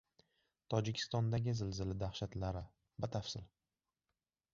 Tojikistondagi zilzila dahshatlari. Batafsil